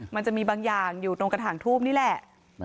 มันจะมีบางอย่างอยู่ตรงกระถางทูบนี่แหละ